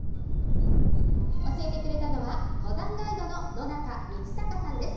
教えてくれたのは、登山ガイドの野中径隆さんです。